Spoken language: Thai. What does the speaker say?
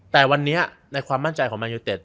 แต่วันนี้ในความมั่นใจของแมนยูเต็